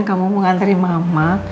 kamu mau nganterin mama